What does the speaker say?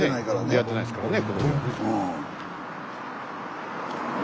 出会ってないですからね。